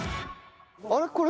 あれ？